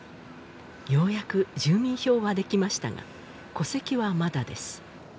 ようやく住民票はできましたが戸籍はまだです